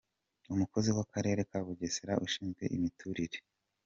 Umukozi w’akarere ka Bugesera ushinzwe imiturire, Ir.